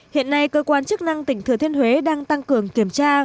hiện nay cơ quan chức năng tỉnh thừa thiên huế đang tăng cường kiểm tra